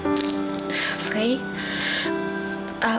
aku juga sangat ramad mencintai kamu